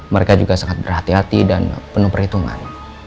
mereka juga sangat berhati hati dan penuh perhitungan